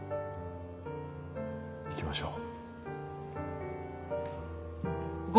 行きましょう。